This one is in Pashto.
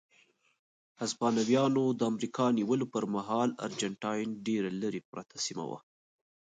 هسپانویانو د امریکا نیولو پر مهال ارجنټاین ډېره لرې پرته سیمه وه.